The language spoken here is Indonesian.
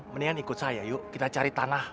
mendingan ikut saya yuk kita cari tanah